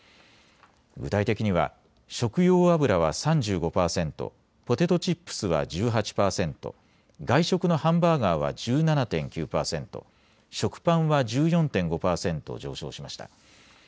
具体的には食用油は３５％、ポテトチップスは１８％、外食のハンバーガーは１７．９％、食パンは１４．５％上昇しました。